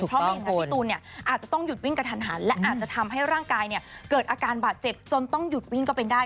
เพราะไม่อย่างนั้นพี่ตูนเนี่ยอาจจะต้องหยุดวิ่งกระทันหันและอาจจะทำให้ร่างกายเกิดอาการบาดเจ็บจนต้องหยุดวิ่งก็เป็นได้